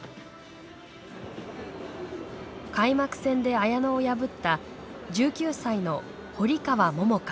開幕戦で綾乃を破った１９歳の堀川桃香。